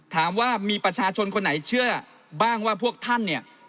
ถามว่ามีประชาชนคนไหนเชื่อบ้างว่าพวกท่านเนี่ย